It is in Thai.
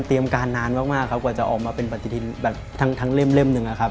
เตรียมการนานมากกว่าจะออกมาเป็นปฏิทินทั้งเล่มหนึ่ง